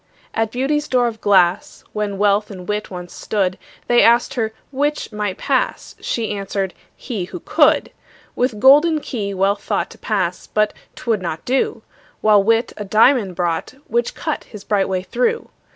At Beauty's door of glass, When Wealth and Wit once stood, They asked her 'which might pass?" She answered, "he, who could." With golden key Wealth thought To pass but 'twould not do: While Wit a diamond brought, Which cut his bright way through.